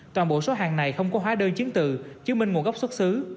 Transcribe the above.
toàn bộ số hàng này không có hóa đơn chứng từ chứng minh nguồn gốc xuất xứ